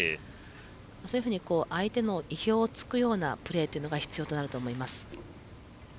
そういうふうに相手の意表をつくプレーが必要になると思います。